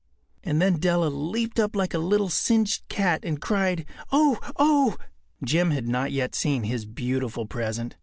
” And then Della leaped up like a little singed cat and cried, “Oh, oh!” Jim had not yet seen his beautiful present.